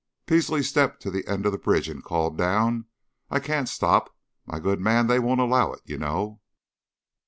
Peasley stepped to the end of the bridge and called down: "I can't stop, my good man, they won't allow it, y' know.